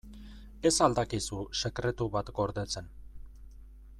Ez al dakizu sekretu bat gordetzen?